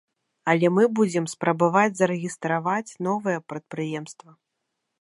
Але мы будзем спрабаваць зарэгістраваць новае прадпрыемства.